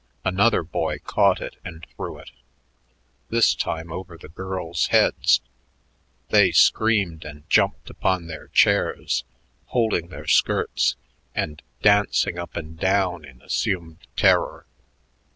Another boy caught it and threw it, this time over the girls' heads. They screamed and jumped upon their chairs, holding their skirts, and dancing up and down in assumed terror.